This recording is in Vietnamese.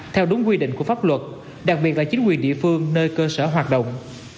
theo đúng quy định của pháp luật đặc biệt là chính quyền địa phương nơi cơ sở hoạt động